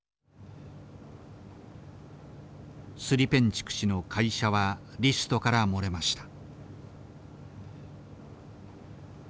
スリペンチュク氏の会社はリストから漏れました。